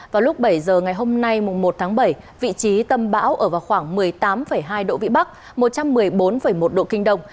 vào lúc bảy giờ ngày hôm nay một tháng bảy vị trí tâm bão ở vào khoảng một mươi tám hai độ vĩ bắc một trăm một mươi bốn một độ kinh đông